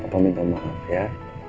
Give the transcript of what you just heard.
bapak minta maaf ya